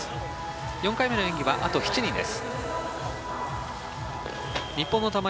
４回目の演技はあと７人です。